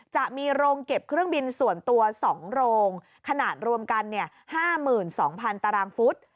จะมีโรงเก็บเครื่องบินส่วนตัว๒โรงขนาดรวมกัน๕๒๐๐๐ตารางฟุต